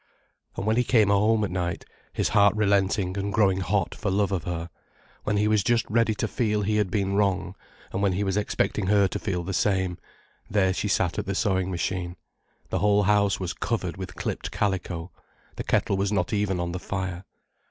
And when he came home at night, his heart relenting and growing hot for love of her, when he was just ready to feel he had been wrong, and when he was expecting her to feel the same, there she sat at the sewing machine, the whole house was covered with clipped calico, the kettle was not even on the fire.